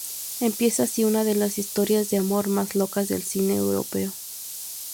Empieza así una de las historias de amor más locas del cine europeo.